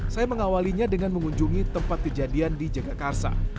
saya mengawalnya dengan mengunjungi tempat kejadian di jaga karsa